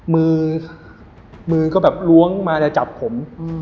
มือมือก็แบบล้วงมาจะจับผม